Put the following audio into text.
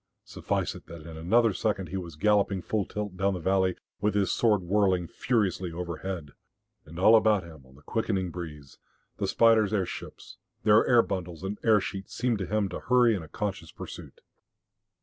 Suffice it that in another second he was galloping full tilt down the valley with his sword whirling furiously overhead. And all about him on the quickening breeze, the spiders' airships, their air bundles and air sheets, seemed to him to hurry in a conscious pursuit.